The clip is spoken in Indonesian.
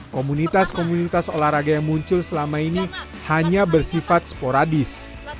komunitas komunitas olahraga yang muncul selama ini hanya bersifat sporadis